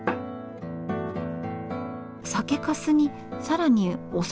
酒粕に更にお酒？